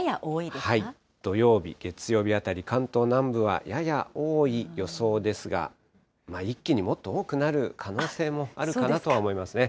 土曜日、月曜日あたり、関東南部はやや多い予想ですが、一気にもっと多くなる可能性もあるかなとは思いますね。